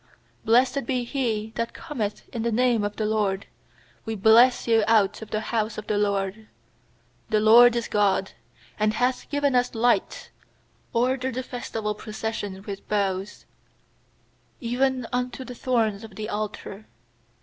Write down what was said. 26Blessed be he that cometh in the name of the LORD; We bless you out of the house of the LORD. 27The LORD is God, and hath given us light; Order the festival procession with boughs, even unto the horns of the altar.